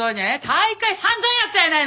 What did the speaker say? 大会散々やったやないの！